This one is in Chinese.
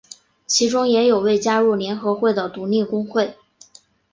其中也有未加入联合会的独立工会。